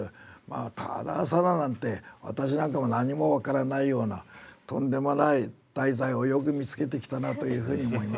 「ターダーサナ」なんて私なんか何も分からないようなとんでもない題材をよく見つけてきたなというふうに思います。